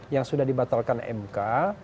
yang sudah dibatalkan mk